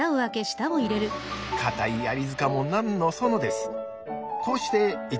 硬いアリ塚も何のそのです。